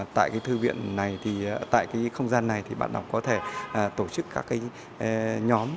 tại cái thư viện này thì tại cái không gian này thì bạn đọc có thể tổ chức các cái nhóm